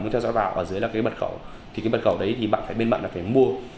muốn theo dõi vào và dưới là bật khẩu cái bật khẩu đấy bạn phải bên bạn mua